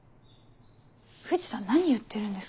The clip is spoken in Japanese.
藤さん何言ってるんですか？